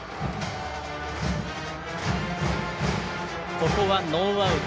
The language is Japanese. ここはノーアウト。